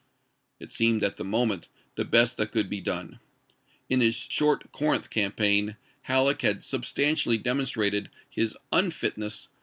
It seemed at the moment the best that could be done. In his short Corinth campaign HaUeck had substantially demonstrated his unfitness for the 356 ABKAHAM LINCOLN Chap.